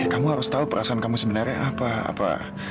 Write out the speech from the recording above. kamu harus tahu perasaan kamu sebenarnya apa apa